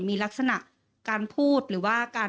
มีพฤติกรรมเสพเมถุนกัน